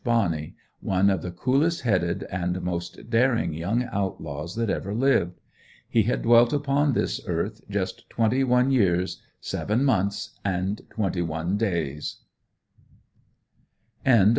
Bonney, one of the coolest headed, and most daring young outlaws that ever lived. He had dwelt upon this earth just 21 years, seven months and 21 days. CHAPTER XXVIII.